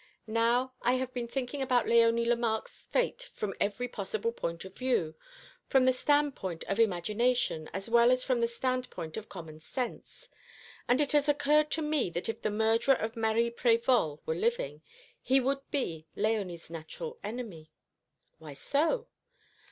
Now, I have been thinking about Léonie Lemarque's fate from every possible point of view, from the standpoint of imagination as well as from the standpoint of common sense; and it has occurred to me that if the murderer of Marie Prévol were living, he would be Léonie's natural enemy." "Why so?"